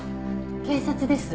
警察です。